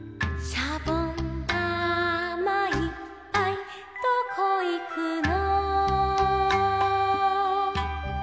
「しゃぼんだまいっぱいどこいくの」